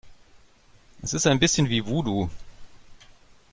Es ist ein bisschen wie Voodoo.